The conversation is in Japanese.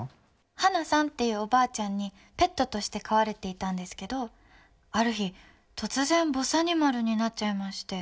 ハナさんっていうおばあちゃんにペットとして飼われていたんですけどある日、突然ぼさにまるになっちゃいまして。